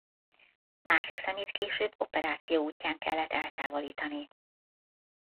Másik szemét később operáció útján kellett eltávolítani.